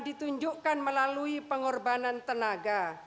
ditunjukkan melalui pengorbanan tenaga